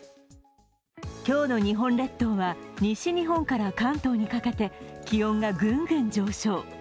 今日の日本列島は、西日本から関東にかけて気温がグングン上昇。